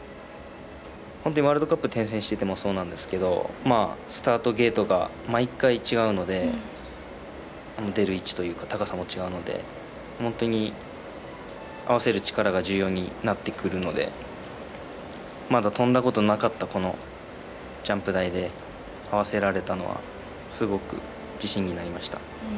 本当、ワールドカップ転戦していてもそうなんですけど、スタートゲートが毎回違うので、出る位置というか、高さも違うので、本当に合わせる力が重要になってくるので、まだ飛んだことなかったこのジャンプ台で合わせられたのは、すごく自信になりました。